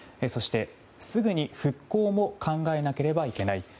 そして、すぐに復興も考えなければいけない。